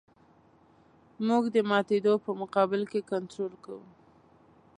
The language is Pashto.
موږ د ماتېدو په مقابل کې کنټرول کوو